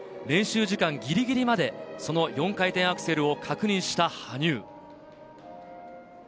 練習時間ギリギリまで、その４回転アクセルを確認した羽生。